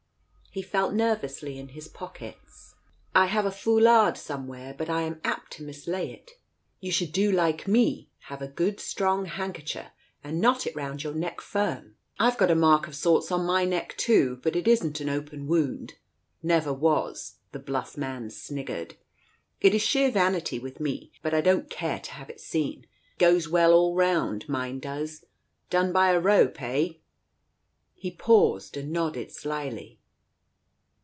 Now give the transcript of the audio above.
H.e felt nervously in his pockets. " I have a foulard somewhere, but I am apt to mislay it." "You should do like me, have a good strong handker cher and knot it round your neck firm. I've got a mark of sorts on my neck too, but it isn't an open wound — never was," the bluff man sniggered. " It is sheer vanity with me, but I don't care to have it seen. It goes well all round, mine does — done by a rope, eh !" He paused and nodded slyly.